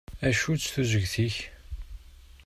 Acu-tt tuzegt-ik?